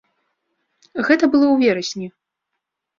Гэта было ў верасні.